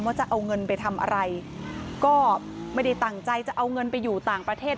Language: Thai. จะเอาเงินไปทำอะไรก็ไม่ได้ตั้งใจจะเอาเงินไปอยู่ต่างประเทศ